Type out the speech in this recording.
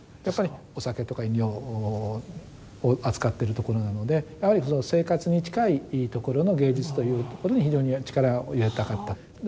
やっぱりお酒とか飲料を扱ってるところなので生活に近いところの芸術というところに非常に力を入れたかったと。